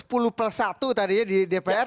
sepuluh plus satu tadinya di dpr